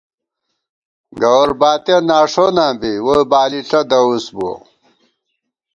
گوَرباتِیَہ ناݭوناں بی ، ووئی بالِݪہ دَوُس بووَہ